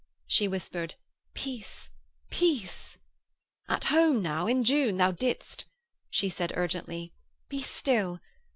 She whispered: 'Peace. Peace.' 'At home now. In June, thou didst....' She said urgently: 'Be still.